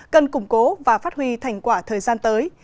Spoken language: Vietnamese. cần củng cố và phát huy thành quả thời gian tới